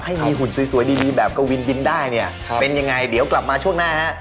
ให้มีหุ่นสวยดีแบบกวินบินได้เนี่ยเป็นยังไงเดี๋ยวกลับมาช่วงหน้าฮะ